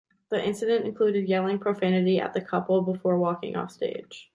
The incident included yelling profanity at the couple before walking off stage.